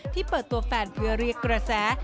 เปิดตัวแฟนเพื่อเรียกกระแส